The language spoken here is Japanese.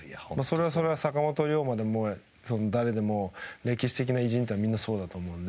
それは坂本龍馬でも誰でも歴史的な偉人はみんなそうだと思うので。